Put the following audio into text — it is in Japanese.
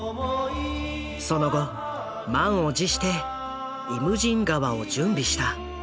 その後満を持して「イムジン河」を準備した。